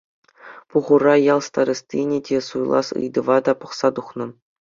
Пухура ял старостине те суйлас ыйтӑва та пӑхса тухнӑ.